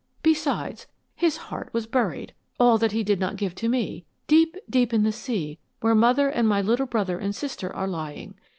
Besides, his heart was buried, all that he did not give to me, deep, deep in the sea where Mother and my little brother and sister are lying!